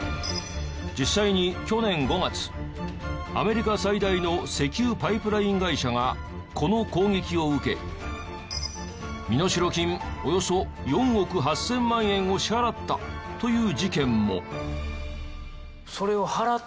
実際に去年５月アメリカ最大の石油パイプライン会社がこの攻撃を受け身代金およそ４億８０００万円を支払ったという事件も。